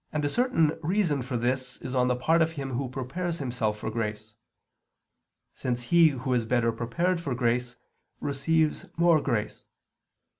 And a certain reason for this is on the part of him who prepares himself for grace; since he who is better prepared for grace, receives more grace.